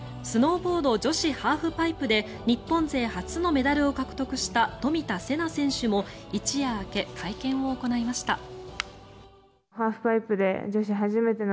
スノーボード女子ハーフパイプで日本勢初のメダルを獲得した冨田せな選手も一夜明け、会見を行いました。